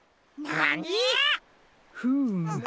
フーム